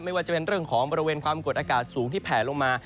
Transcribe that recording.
ไม่ว่าจะเป็นเรื่องของบริเวณความกดอากาศสูงที่แผลลงมา